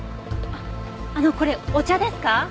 あっあのこれお茶ですか？